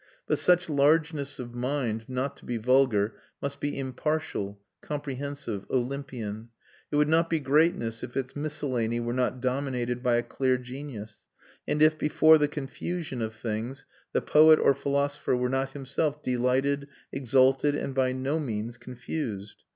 But such largeness of mind, not to be vulgar, must be impartial, comprehensive, Olympian; it would not be greatness if its miscellany were not dominated by a clear genius and if before the confusion of things the poet or philosopher were not himself delighted, exalted, and by no means confused.